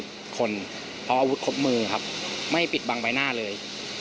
เพราะเอาอาวุธครบมือไม่ปิดบางใบหน้าเลย